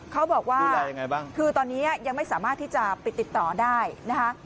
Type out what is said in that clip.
เขาบอกว่าดูแลยังไงบ้างคือตอนนี้ยังไม่สามารถที่จะไปติดต่อได้นะฮะ